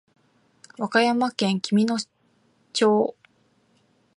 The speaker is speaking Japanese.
和歌山県紀美野町